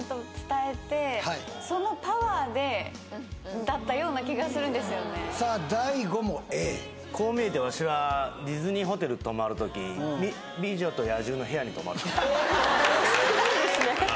やっぱだったような気がするんですよねさあ大悟もＡこう見えてわしはディズニーホテル泊まる時「美女と野獣」の部屋に泊まるからそうなんですね